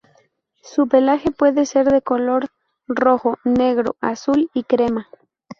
Su pelaje puede ser de color rojo, negro, azul y crema.